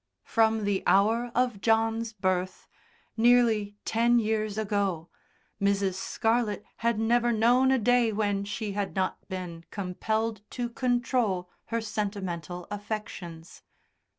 From the hour of John's birth nearly ten years ago Mrs. Scarlett had never known a day when she had not been compelled to control her sentimental affections.